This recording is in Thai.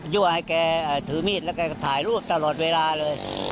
ั่วให้แกถือมีดแล้วแกก็ถ่ายรูปตลอดเวลาเลย